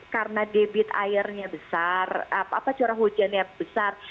karena debit airnya besar curah hujannya besar